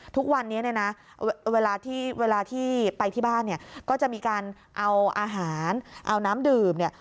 ทุกวันนี้เนี่ยนะเวลาที่เวลาที่ไปที่บ้านเนี่ยก็จะมีการเอาอาหารเอาน้ำดื่มเนี่ย